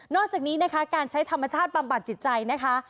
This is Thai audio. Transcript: อกจากนี้นะคะการใช้ธรรมชาติบำบัดจิตใจนะคะ